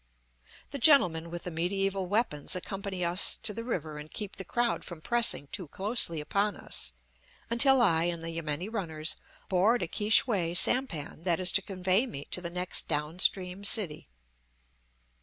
The gentlemen with the mediaeval weapons accompany us to the river and keep the crowd from pressing too closely upon us until I and the yameni runners board a Ki shway sampan that is to convey me to the next down stream city.